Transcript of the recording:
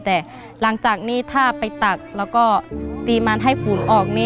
แต่หลังจากนี้ถ้าไปตักแล้วก็ตีมันให้ฝุ่นออก